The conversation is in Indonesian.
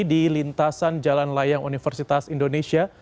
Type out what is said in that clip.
di lintasan jalan layang universitas indonesia